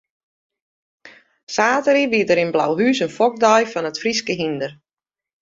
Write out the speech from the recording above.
Saterdei wie der yn Blauhûs in fokdei fan it Fryske hynder.